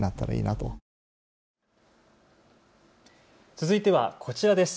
続いてはこちらです。